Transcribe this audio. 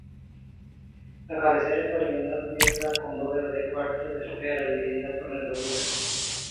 La cabecera es poligonal cubierta con bóveda de cuarto de esfera, dividida por nervaduras.